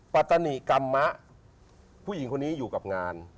ปัตนิกรรมมะผู้หญิงคนนี้อยู่กับงาน